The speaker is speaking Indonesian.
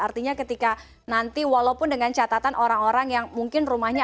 artinya ketika nanti walaupun dengan catatan orang orang yang mungkin rumahnya